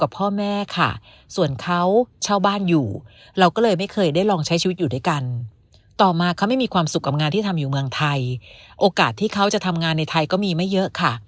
เพราะเราไม่มีความสุขกับงานที่ทำอยู่เมืองไทยโอกาสที่เขาจะทำงานในไทยก็มีไม่เยอะค่ะ